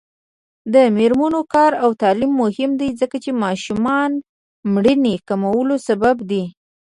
د میرمنو کار او تعلیم مهم دی ځکه چې ماشومانو مړینې کمولو سبب دی.